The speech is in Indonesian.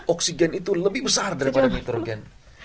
oksigen itu lebih besar daripada nitrogen